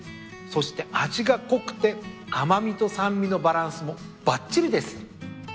そして味が濃くて甘味と酸味のバランスもばっちりです。